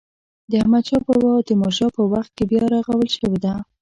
د احمد شا بابا او تیمور شاه په وخت کې بیا رغول شوې ده.